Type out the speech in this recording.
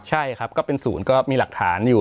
ใช่ครับก็เป็นศูนย์ก็มีหลักฐานอยู่